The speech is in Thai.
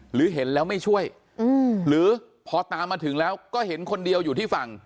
หรือเห็นแล้วไม่ช่วยหรือพอตามมาถึงแล้วก็เห็นคนเดียวอยู่ที่ฝั่ง